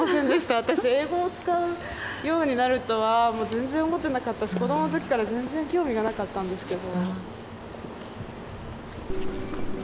英語を使うようになるとはもう全然思ってなかったし子どものときから全然興味がなかったんですけど。